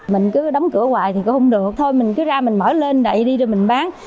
mình cứ đóng cửa hoài thì cũng không được thôi mình cứ ra mình mở lên đậy đi rồi mình bán